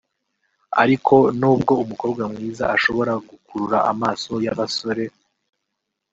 ariko n’ubwo umukobwa mwiza ashobora gukurura amaso y’abasore